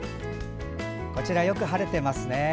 こちら、よく晴れてますね。